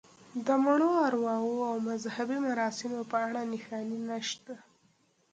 د مړو ارواوو او مذهبي مراسمو په اړه نښانې نشته.